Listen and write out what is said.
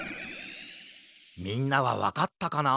みんなはわかったかな？